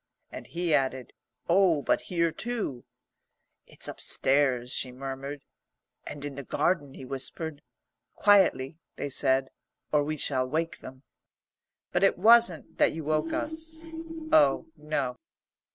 And he added, "Oh, but here too!" "It's upstairs," she murmured. "And in the garden," he whispered. "Quietly," they said, "or we shall wake them." But it wasn't that you woke us. Oh, no.